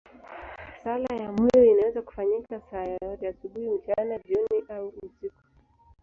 Sala ya moyo inaweza kufanyika saa yoyote, asubuhi, mchana, jioni au usiku.